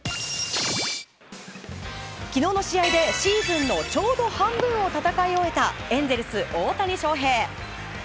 昨日の試合でシーズンのちょうど半分を戦い終えたエンゼルス、大谷翔平。